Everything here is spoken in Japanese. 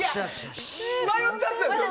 迷っちゃったんですよ。